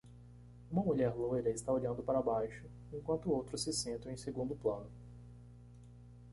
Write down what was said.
Uma mulher loira está olhando para baixo, enquanto outros se sentam em segundo plano.